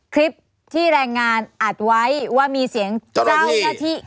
คลิปที่แรงงานอัดไว้ว่ามีเสียงเจ้าหน้าที่